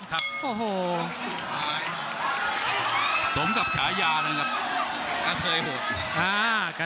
ครับโอ้โห